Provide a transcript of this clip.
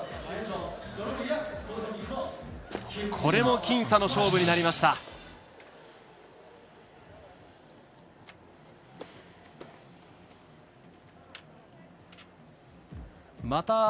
これも僅差の勝負になりました。